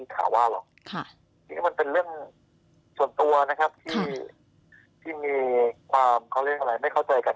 จริงมันเป็นเรื่องส่วนตัวนะครับที่มีความไม่เข้าใจกัน